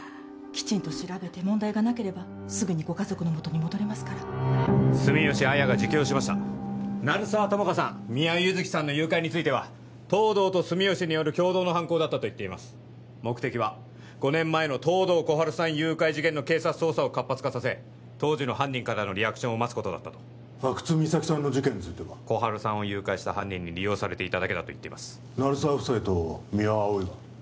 きちんと調べて問題がなければすぐにご家族のもとに戻れますから住吉亜矢が自供しました鳴沢友果さん三輪優月さんの誘拐については東堂と住吉による共同の犯行だったと言っています目的は５年前の東堂心春さん誘拐事件の警察捜査を活発化させ当時の犯人からのリアクションを待つことだったと阿久津実咲さんの事件については心春さんを誘拐した犯人に利用されていただけだと言っています鳴沢夫妻と三輪碧は？